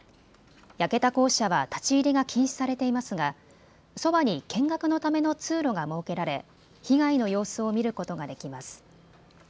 焼けた校舎は立ち入りが禁止されていますがそばに見学のための通路が設けられ被害の様子を見ることができます。